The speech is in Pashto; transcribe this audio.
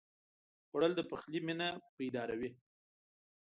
خوړل د پخلي مېنه بیداروي